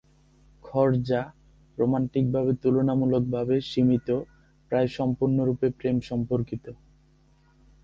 "খরজা" রোমান্টিকভাবে তুলনামূলকভাবে সীমিত, প্রায় সম্পূর্ণরূপে প্রেম সম্পর্কিত।